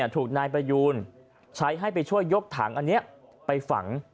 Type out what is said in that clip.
ถูกนายประยูนใช้ให้ไปช่วยยกถังอันนี้ไปฝัง